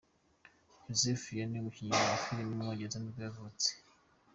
Joseph Fiennes, umukinnyi wa filime w’umwongereza ni bwo yavutse.